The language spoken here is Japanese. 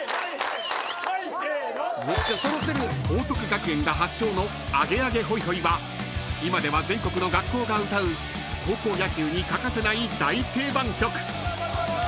［報徳学園が発祥の『アゲアゲホイホイ』は今では全国の学校が歌う高校野球に欠かせない大定番曲］